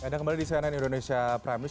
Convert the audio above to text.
dan kembali di cnn indonesia prime news